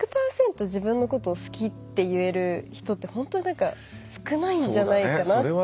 自分のことを好きって言える人って本当に少ないんじゃないかなって。